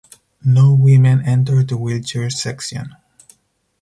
No women entered the wheelchair section.